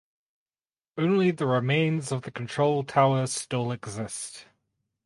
Only the remains of the control tower still exist.